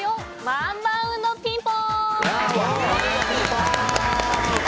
ワンバウンドピンポン！